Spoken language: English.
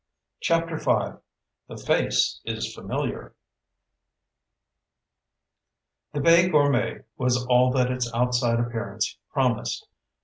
CHAPTER V The Face Is Familiar The Bay Gourmet was all that its outside appearance promised.